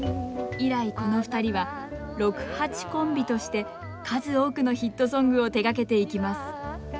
以来この２人は六・八コンビとして数多くのヒットソングを手がけていきます